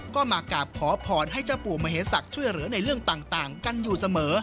ก็มากราบขอพรให้เจ้าปู่มเหศักดิ์ช่วยเหลือในเรื่องต่างกันอยู่เสมอ